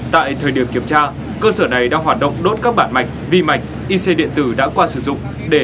tại thời điểm kiểm tra cơ sở này đã hoạt động đốt các bản mạch vi mạch ic điện tử đã qua sử dụng